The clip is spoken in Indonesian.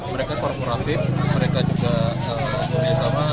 mereka korporatif mereka juga punya sama